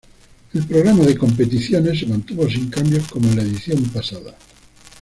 El programa de competiciones se mantuvo sin cambios, como en la edición pasada.